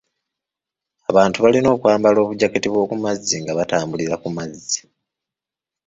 Abantu balina okwambala obujaketi bw'okumazzi nga batambulira ku mazzi.